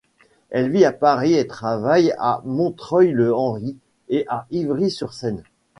Elle vit à Paris et travaille à Montreuil-le-Henri et à Ivry-sur-Seine.